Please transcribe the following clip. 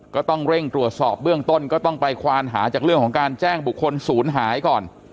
ก็ต้องเร่งตรวจสอบเบื้องต้นก็ต้องไปควานหาจากเรื่องของการแจ้งบุคคลศูนย์หายก่อน